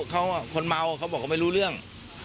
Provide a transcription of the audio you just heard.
เขาคนเมาเขาบอกเขาไม่รู้เรื่อง